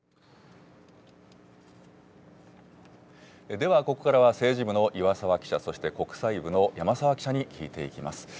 ではここからは、政治部の岩澤記者、そして国際部の山澤記者に聞いていきます。